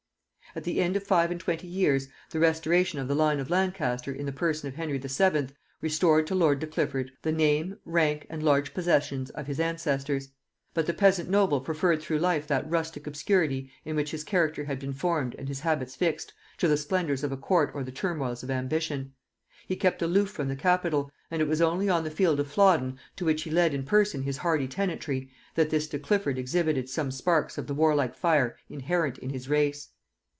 At the end of five and twenty years, the restoration of the line of Lancaster in the person of Henry VII. restored to lord de Clifford the name, rank, and large possessions of his ancestors; but the peasant noble preferred through life that rustic obscurity in which his character had been formed and his habits fixed, to the splendors of a court or the turmoils of ambition. He kept aloof from the capital; and it was only on the field of Flodden, to which he led in person his hardy tenantry, that this de Clifford exhibited some sparks of the warlike fire inherent in his race.